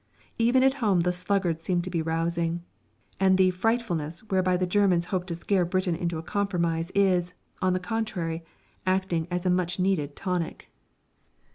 Even at home the sluggards seem to be rousing; and the "Frightfulness" whereby the Germans hope to scare Britain into a compromise is, on the contrary, acting as a much needed tonic.